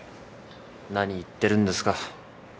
何言ってるんですか。